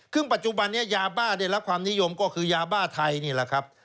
ซึ่งปัจจุบันนี้ยาบ้าได้รับความนิยมก็คือยาบ้าไทยนี่แหละครับ